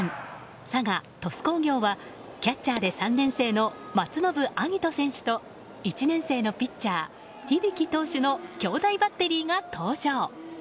佐賀・鳥栖工業はキャッチャーで３年生の松延晶音選手と１年生のピッチャー、響投手の兄弟バッテリーが登場。